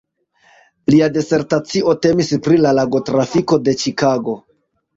Lia disertacio temis pri la lagotrafiko de Ĉikago.